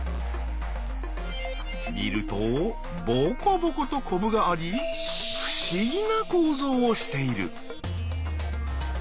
見るとぼこぼことこぶがあり不思議な構造をしている。